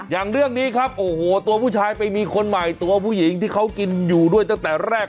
อย่างเรื่องนี้ครับโอ้โหตัวผู้ชายไปมีคนใหม่ตัวผู้หญิงที่เขากินอยู่ด้วยตั้งแต่แรก